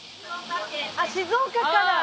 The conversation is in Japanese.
あ静岡から。